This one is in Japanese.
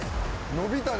のびたね